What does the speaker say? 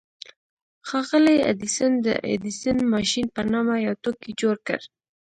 ښاغلي ايډېسن د ايډېسن ماشين په نامه يو توکی جوړ کړ.